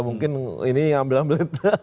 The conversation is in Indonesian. mungkin ini ambil ambil